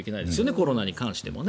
コロナに関してもね。